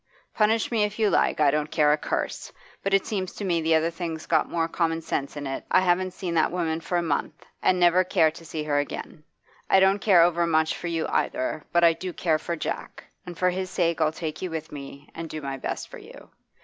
Punish me if you like I don't care a curse. But it seems to me the other thing's got more common sense in it I haven't seen that woman for a month, and never care to see her again. I don't care over much for you either; but I do care for Jack, and for his sake I'll take you with me, and do my best for you.